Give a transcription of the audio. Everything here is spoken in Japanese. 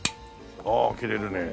ああ切れるね。